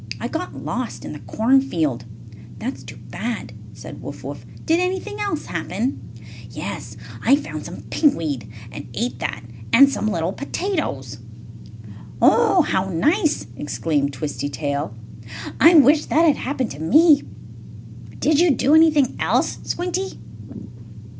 I got lost in the cornfield." "That's too bad," said Wuff Wuff. "Did anything else happen?" "Yes, I found some pig weed, and ate that, and some little potatoes." "Oh, how nice!" exclaimed Twisty Tail. "I wish that had happened to me. Did you do anything else, Squinty?"